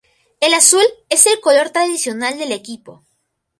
El azul es el color tradicional del equipo.